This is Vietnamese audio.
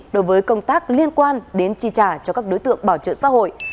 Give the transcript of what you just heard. đối với công tác liên quan đến chi trả cho các đối tượng bảo trợ xã hội